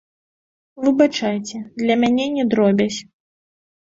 Выбачайце, для мяне не дробязь.